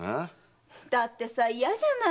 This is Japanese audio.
だってさあいやじゃない。